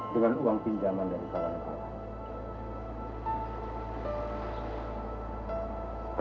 dengan uang pinjaman dari para nepala